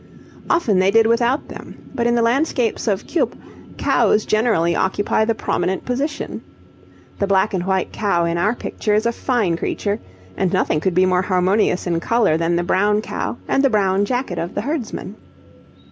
Often they did without them, but in the landscapes of Cuyp, cows generally occupy the prominent position. The black and white cow in our picture is a fine creature, and nothing could be more harmonious in colour than the brown cow and the brown jacket of the herdsman.